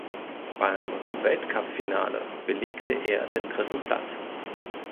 Beim Weltcup-Finale belegte er den dritten Platz.